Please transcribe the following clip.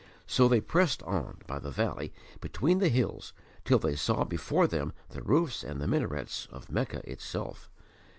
So they pressed on by the valley between the hills till they saw before them the roofs and the minarets of Mecca itself.